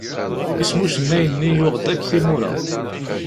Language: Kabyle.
Isem n ucennay-nni yuɣ-d akk timura.